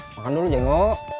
makan dulu jeno